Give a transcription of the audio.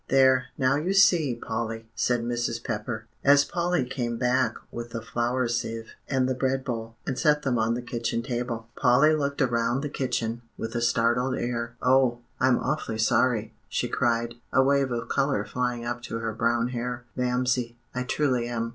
"There, now you see, Polly," said Mrs. Pepper, as Polly came back with the flour sieve and the bread bowl, and set them on the kitchen table. Polly looked around the kitchen with a startled air. "Oh, I'm awfully sorry!" she cried, a wave of color flying up to her brown hair, "Mamsie, I truly am."